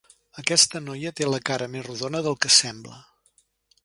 Aquesta noia té la cara més rodona del que sembla.